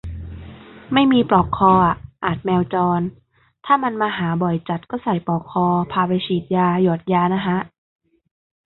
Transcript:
ไม่มีปลอกคออะ อาจแมวจร ถ้ามันมาหาบ่อยจัดก็ใส่ปลอกคอ พาไปฉีดยา หยอดยานะฮะ